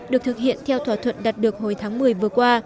được thực hiện theo thỏa thuận đạt được hồi tháng một mươi vừa qua